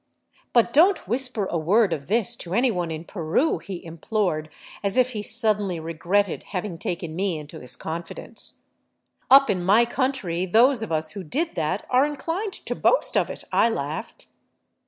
But don't whisper a word of this to anyone in Peru," he implored, as if he suddenly regretted having taken me into his confidence. 279 VAGABONDING DOWN THE ANDES " Up in my country those of us who did that are incHned to boast of it/' I laughed.